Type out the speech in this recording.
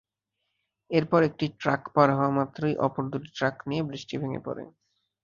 এরপর একটি ট্রাক পার হওয়ামাত্রই অপর দুটি ট্রাক নিয়ে ব্রিজটি ভেঙে পড়ে।